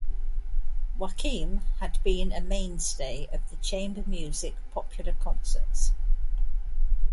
Joachim had been a mainstay of the chamber music Popular Concerts.